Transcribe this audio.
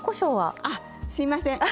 すいません！